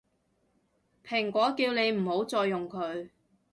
蘋果叫你唔好再用佢